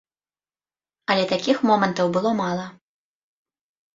Але такіх момантаў было мала.